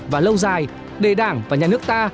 và lâu dài để đảng và nhà nước ta